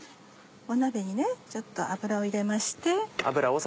鍋にちょっと油を入れまして。